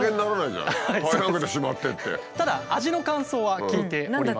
ただ味の感想は聞いております。